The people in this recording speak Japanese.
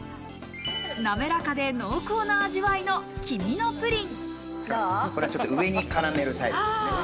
滑らかで濃厚な味わいの「きみのプリン」。